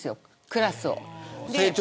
クラスを。